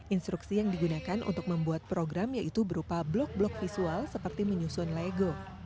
instruksi yang digunakan untuk membuat program yaitu berupa blok blok visual seperti menyusun lego